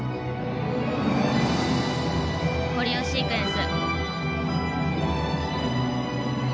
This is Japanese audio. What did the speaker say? コレオシークエンス。